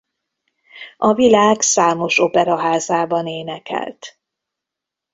A világ számos operaházában énekelt.